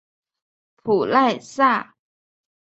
普赖萨。